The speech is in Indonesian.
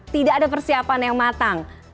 tidak ada persiapan yang matang